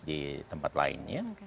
di tempat lain